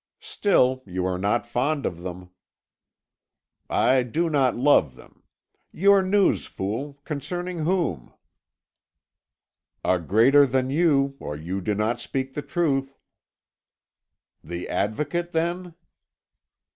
"Still you are not fond of them." "I do not love them. Your news, fool concerning whom?" "A greater than you, or you do not speak the truth." "The Advocate, then?"